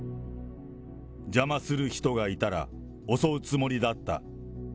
邪魔する人がいたら襲うつもりだった。